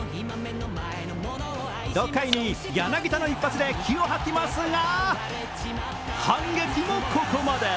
６回に柳田の一発で気を吐きますが、反撃もここまで。